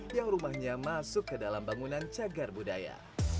yang rumahnya masuk ke dalam bangunan cagar budaya